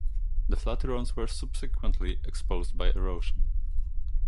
The Flatirons were subsequently exposed by erosion.